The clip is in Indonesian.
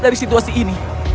dari situasi ini